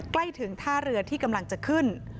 ใกล้ถึงท่าเรือที่กำลังจะขึ้น